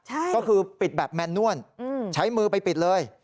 ใช่ก็คือปิดแบบแมนนวลใช้มือไปปิดเลย